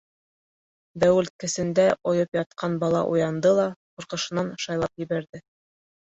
Бәүелткесендә ойоп ятҡан бала уянды ла ҡурҡышынан шайлап ебәрҙе.